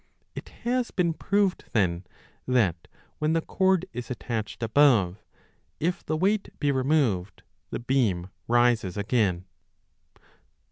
It has been proved then that when the cord is attached above, if the weight be removed the beam rises again.